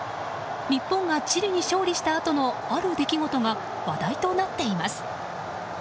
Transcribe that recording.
日本がチリに勝利したあとのある出来事が話題となっています。